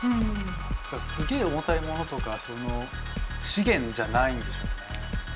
すげえ重たいものとかその資源じゃないんでしょうね。